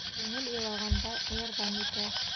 Күңел илағанда ярҙам итә.